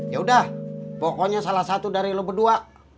yaudah pokoknya salah satu dari lu berdua